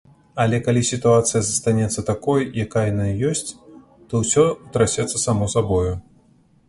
Але калі сітуацыя застанецца такой, якая яна ёсць, то ўсё ўтрасецца само сабою.